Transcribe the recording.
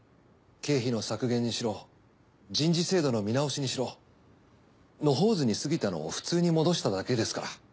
経費の削減にしろ人事制度の見直しにしろ野放図にすぎたのを普通に戻しただけですから。